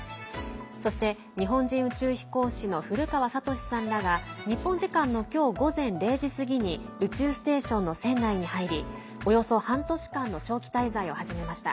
そして、日本人宇宙飛行士の古川聡さんらが日本時間の今日午前０時過ぎに宇宙ステーションの船内に入りおよそ半年間の長期滞在を始めました。